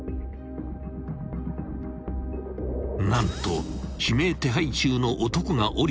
［何と指名手配中の男が降りてきた］